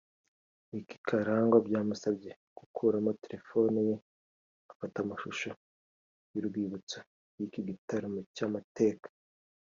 Mike Karangwa byamusabye gukuramo telephone ye afata amashusho y'urwibutso y'iki gitaramo cy'amateka